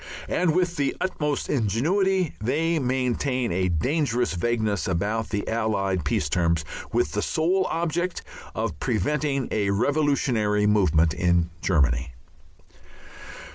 And with the utmost ingenuity they maintain a dangerous vagueness about the Allied peace terms, with the sole object of preventing a revolutionary movement in Germany.